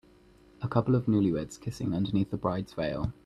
A couple of newlyweds kissing underneath the bride 's veil.